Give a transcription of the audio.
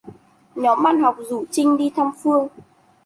Nhóm bạn học dù Trinh đi thăm Phương